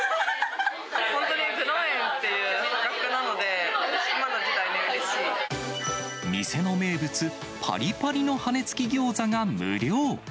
本当に０円っていう破格なの店の名物、ぱりぱりの羽付き餃子が無料。